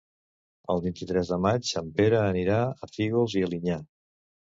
El vint-i-tres de maig en Pere anirà a Fígols i Alinyà.